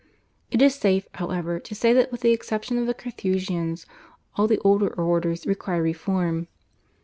It is safe, however, to say that with the exception of the Carthusians all the older orders required reform.